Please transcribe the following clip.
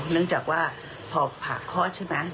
เนื่องจากว่าพอผ่าคลอดใช่ไหม